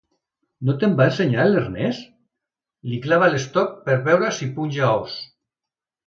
No te'n va ensenyar, l'Ernest? —li clava l'estoc, per veure si punxa os.